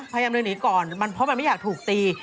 พยายามเลยหนีก่อนมันเพราะมันไม่อยากถูกตี